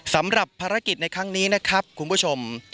สำหรับภารกิจในครั้งนี้นะครับคุณผู้ชม